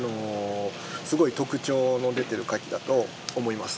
すごい特徴の出てる牡蠣だと思います